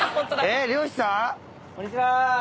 こんにちは。